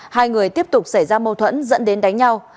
hai người tiếp tục xảy ra mâu thuẫn dẫn đến đánh nhau